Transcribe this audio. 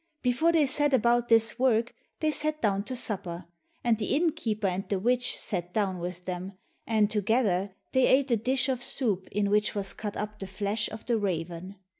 Before they set about this work, they sat down to supper, and the innkeeper and the witch sat down with them, and together they ate a dish of soup in which was cut up the flesh of the raven.